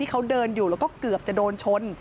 เขาเดินอยู่แล้วก็เกือบจะโดนชน